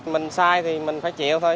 mình sai thì mình phải chịu thôi